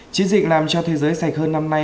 chiến dịch làm cho thế giới sạch hơn năm nay